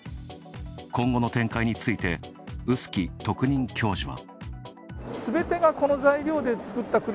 今後の展開について臼杵特任教授は。